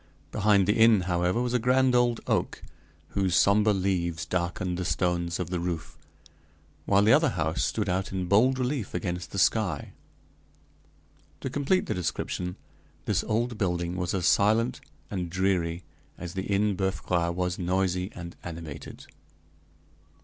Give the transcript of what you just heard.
Behind the inn, however, was a grand old oak, whose somber leaves darkened the stones of the roof, while the other house stood out in bold relief against the sky. To complete the description, this old building was as silent and dreary as the Inn Boeuf Gras was noisy and animated.